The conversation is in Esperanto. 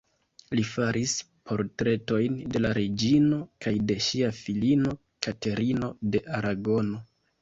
Li faris portretojn de la reĝino kaj de ŝia filino Katerino de Aragono.